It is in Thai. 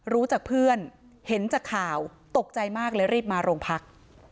รู้จากเพื่อนเห็นจากข่าวตกใจมากเลยรีบมาโรงพัก